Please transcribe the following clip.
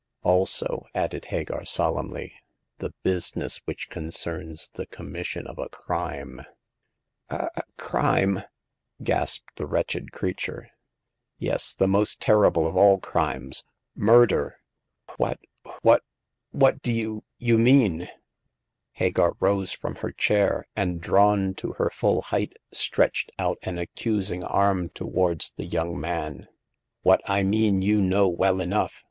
" Also," added Hagar, solemnly, " the business which concerns the commission of a crime." The Second Customer. 79 " A — a— a crime !'* gasped the wretched crea ture. " Yes — the most terrible of all crimes— murder !"" What — ^what — ^what do you — ^you mean ?" Hagar rose from her chair, and, drawn to her full height, stretched out an accusing arm towards the young man. "What I mean you know well enough